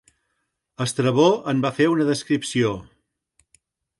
Estrabó en va fer una descripció.